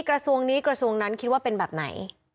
กระทรวงนี้กระทรวงนั้นคิดว่าเป็นแบบไหน